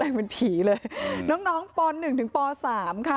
แต่เป็นผีเลยน้องป๑๓ค่ะ